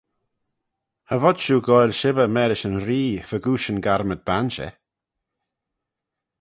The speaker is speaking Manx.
Cha vod shiu goaill shibbyr marish yn Ree fegooish yn garmad banshey.